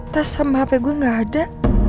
tas sama hp gue gak ada